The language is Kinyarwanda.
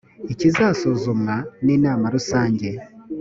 ikazasuzumwa n’inama rusange